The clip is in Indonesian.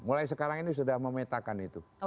mulai sekarang ini sudah memetakan itu